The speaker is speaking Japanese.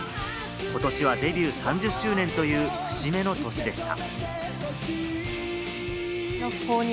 ことしはデビュー３０周年という節目の年でした。